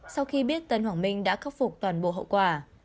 sau khi biết tân hoàng minh đã khóc phá